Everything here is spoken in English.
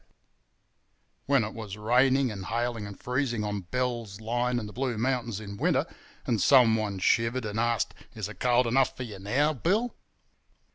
When it was raining and hailing and freezing on Bell's Line in the Blue Mountains in winter, and someone shivered and asked, 'Is it cold enough for yer now, Bill?